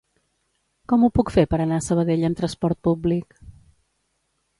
Com ho puc fer per anar a Sabadell amb trasport públic?